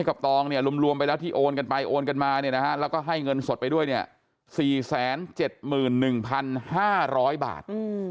ตองเนี่ยรวมไปแล้วที่โอนกันไปโอนกันมาเนี่ยนะฮะแล้วก็ให้เงินสดไปด้วยเนี่ย๔๗๑๕๐๐บาท